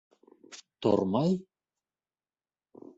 Тормай?!